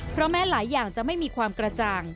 เพราะแม้หลายอย่างจะไม่มีความกระจ่าง